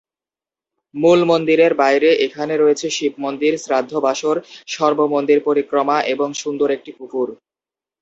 মূল মন্দিরের বাইরে এখানে রয়েছে শিব মন্দির, শ্রাদ্ধ বাসর, সর্ব মন্দির পরিক্রমা এবং সুন্দর একটি পুকুর।